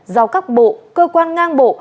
giao các bộ cơ quan ngang bộ